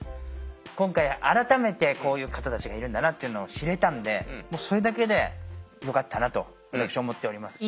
今回改めてこういう方たちがいるんだなっていうのを知れたのでもうそれだけでよかったなと私は思っております。